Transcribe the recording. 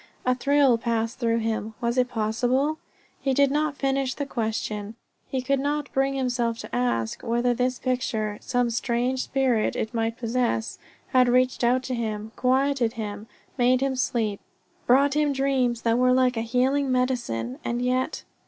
A thrill passed through him. Was it possible?... He did not finish the question. He could not bring himself to ask whether this picture some strange spirit it might possess had reached out to him, quieted him, made him sleep, brought him dreams that were like a healing medicine. And yet....